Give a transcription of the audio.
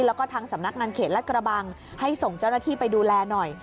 แล้วก็ทางสำนักงานเขตรัฐกระบังให้ส่งเจ้าหน้าที่ไปดูแลหน่อย